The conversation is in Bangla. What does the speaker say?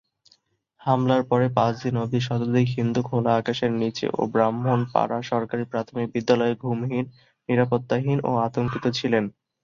হামলার পরে পাঁচ দিন অব্দি শতাধিক হিন্দু খোলা আকাশের নীচে ও ব্রাহ্মণপাড়া সরকারি প্রাথমিক বিদ্যালয়ে ঘুমহীন, নিরাপত্তাহীন ও আতঙ্কিত ছিলেন।